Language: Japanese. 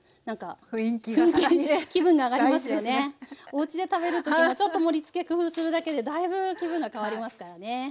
おうちで食べる時もちょっと盛りつけ工夫するだけでだいぶ気分が変わりますからね。